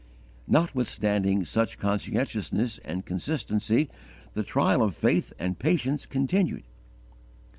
Notwithstanding such conscientiousness and consistency the trial of faith and patience continued.